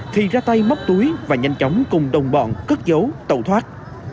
thì ra tay móc túi và nhanh chóng cùng đồng bọn cất giấu tàu thoát